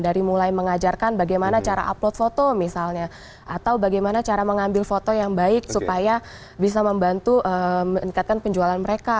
dari mulai mengajarkan bagaimana cara upload foto misalnya atau bagaimana cara mengambil foto yang baik supaya bisa membantu meningkatkan penjualan mereka